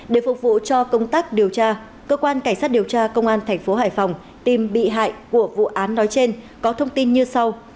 để phục vụ cho công tác điều tra cơ quan cảnh sát điều tra công an thành phố hải phòng tìm bị hại của vụ án nói trên có thông tin như sau